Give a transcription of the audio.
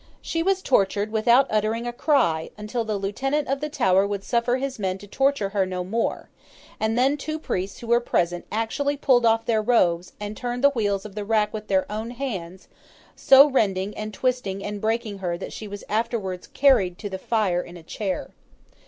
She was tortured without uttering a cry, until the Lieutenant of the Tower would suffer his men to torture her no more; and then two priests who were present actually pulled off their robes, and turned the wheels of the rack with their own hands, so rending and twisting and breaking her that she was afterwards carried to the fire in a chair.